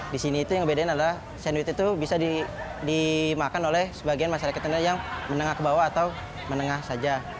di sini itu yang ngebedain adalah sandwich itu bisa dimakan oleh sebagian masyarakat yang menengah ke bawah atau menengah saja